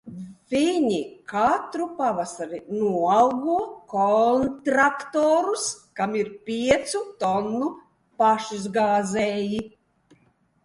Viņi katru pavasari noalgo kontraktorus, kam ir piecu tonnu pašizgāzēji.